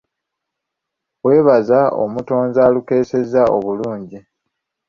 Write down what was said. Yeebaza omutonzi alukeesezza obulungi.